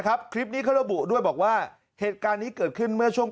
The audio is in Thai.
คลิปนี้เขาระบุด้วยบอกว่าเหตุการณ์นี้เกิดขึ้นเมื่อช่วง